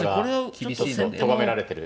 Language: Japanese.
厳しいとがめられてる。